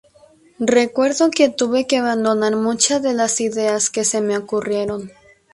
Recuerdo que tuve que abandonar muchas de las ideas que se me ocurrieron.